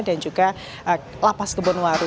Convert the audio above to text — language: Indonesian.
dan juga lapas kebun waru